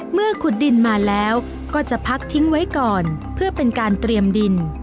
ขุดดินมาแล้วก็จะพักทิ้งไว้ก่อนเพื่อเป็นการเตรียมดิน